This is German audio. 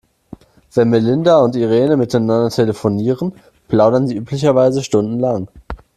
Wenn Melinda und Irene miteinander telefonieren, plaudern sie üblicherweise stundenlang.